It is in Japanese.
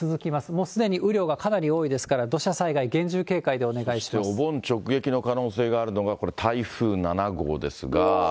もうすでに雨量がかなり多いですから、土砂災害、そしてお盆直撃の可能性があるのが、この台風７号ですが。